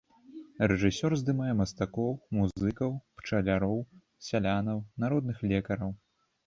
Рэжысёр здымае мастакоў, музыкаў, пчаляроў, сялянаў, народных лекараў.